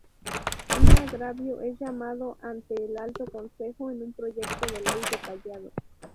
Un agravio es llevado ante el "Alto Consejo" en un proyecto de ley detallado.